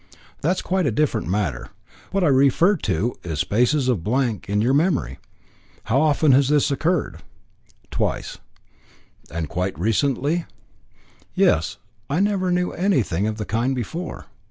"That is quite a different matter. What I refer to is spaces of blank in your memory. How often has this occurred?" "Twice." "And quite recently?" "Yes, I never knew anything of the kind before."